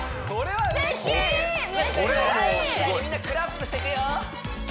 はいみんなクラップしてくよ